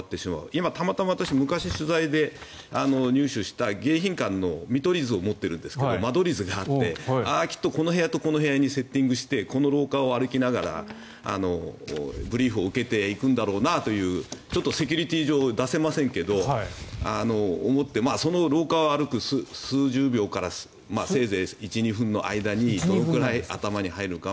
今、たまたま私昔取材で入手した迎賓館の見取り図を持っているんですが間取り図があってきっとこの部屋とこの部屋にセッティングしてこの廊下を歩きながらブリーフを受けて行くんだろうなというちょっとセキュリティー上出せませんがその廊下を歩く数十秒からせいぜい１２分の間にどのくらい頭に入るのか。